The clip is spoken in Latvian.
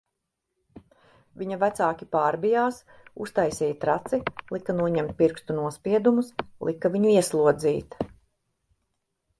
Viņa vecāki pārbijās, uztaisīja traci, lika noņemt pirkstu nospiedumus, lika viņu ieslodzīt...